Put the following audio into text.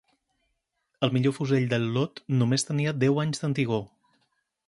El millor fusell del lot, només tenia deu anys d'antigor